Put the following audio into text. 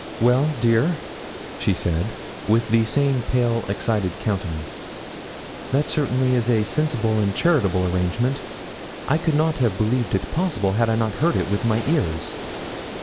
'Well, dear,' she said, with the same pale, excited countenance, 'that certainly is a sensible and charitable arrangement. I could not have believed it possible, had I not heard it with my ears.'